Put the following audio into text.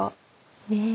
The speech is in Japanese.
ねえ。